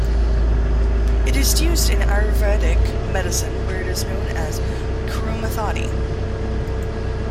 It is used in Ayurvedic medicine, where it is known as kurumthotti.